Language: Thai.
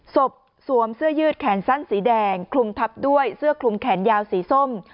สวมเสื้อยืดแขนสั้นสีแดงคลุมทับด้วยเสื้อคลุมแขนยาวสีส้ม